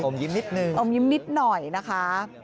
ยิ้มนิดนึงอมยิ้มนิดหน่อยนะคะ